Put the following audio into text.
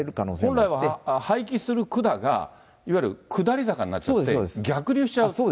本来は排気する管が、いわゆる下り坂になっちゃって逆流しちゃう？